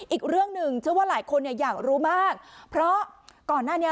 อีกเรื่องหนึ่งเชื่อว่าหลายคนเนี่ยอยากรู้มากเพราะก่อนหน้านี้